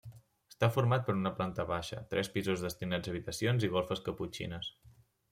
Està format per una planta baixa, tres pisos destinats a habitacions i golfes caputxines.